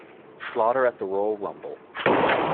Slaughter at the Royal Rumble.